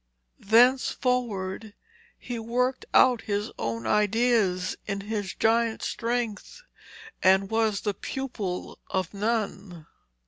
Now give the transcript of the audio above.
Thenceforward he worked out his own ideas in his giant strength, and was the pupil of none.